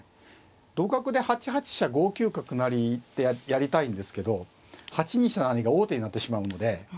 同角で８八飛車５九角成でやりたいんですけど８二飛車成が王手になってしまうので。